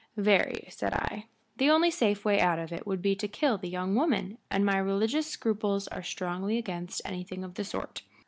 "Very," said I. "The only safe way out of it would be to kill the young woman, and my religious scruples are strongly against anything of the sort.